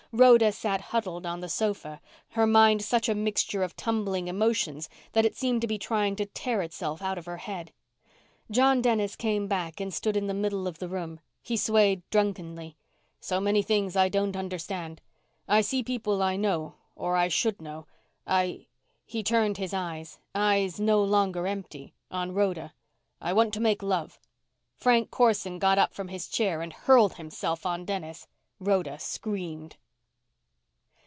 Rhoda sat huddled on the sofa, her mind such a mixture of tumbling emotions that it seemed to be trying to tear itself out of her head. John Dennis came back and stood in the middle of the room. He swayed drunkenly. "So many things I don't understand. I see people I know or I should know. I " He turned his eyes eyes no longer empty on Rhoda. "I want to make love!" Frank Corson got up from his chair and hurled himself on Dennis. Rhoda screamed.